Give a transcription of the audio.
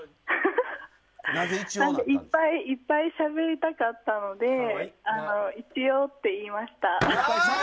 いっぱいしゃべりたかったので一応って言いました。